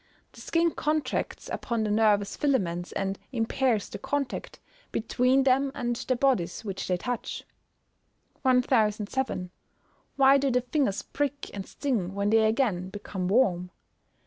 The skin contracts upon the nervous filaments, and impairs the contact between them and the bodies which they touch. 1007. _Why do the fingers prick and sting when they again become warm?